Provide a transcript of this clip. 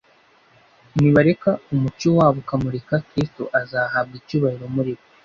Nibareka umucyo wabo ukamurika, Kristo azahabwa icyubahiro muri bo